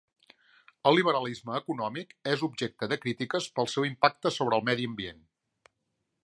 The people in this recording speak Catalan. El liberalisme econòmic és objecte de crítiques pel seu impacte sobre el medi ambient.